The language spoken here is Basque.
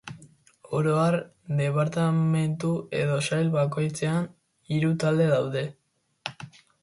Oro har, departamentu edo sail bakoitzean hiru talde daude.